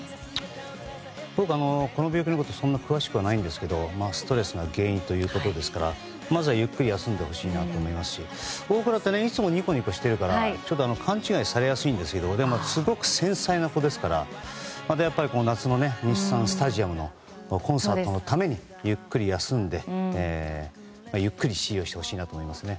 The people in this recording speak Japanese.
僕、この病気のことそんなに詳しくないんですけどストレスが原因ということですからまずはゆっくり休んでほしいなと思いますし大倉っていつもニコニコしてるから勘違いされやすいんですけどすごく繊細な子ですから夏の日産スタジアムのコンサートのためにゆっくり休んで、ゆっくりしてほしいなと思いますね。